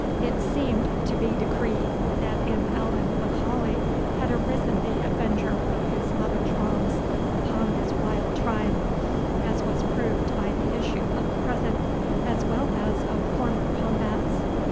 It seemed to be decreed, that in Allan M'Aulay had arisen the avenger of his mother's wrongs upon this wild tribe, as was proved by the issue of the present, as well as of former combats.